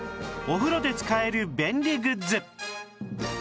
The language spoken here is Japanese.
お風呂で使える便利グッズ